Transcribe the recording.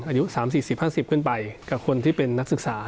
อายุ๓๔๐๕๐ขึ้นไปกับคนที่เป็นนักศึกษา